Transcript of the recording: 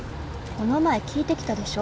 この前聞いてきたでしょ？